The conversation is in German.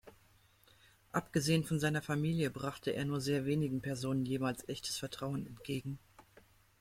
Abgesehen von seiner Familie brachte er nur sehr wenigen Personen jemals echtes Vertrauen entgegen.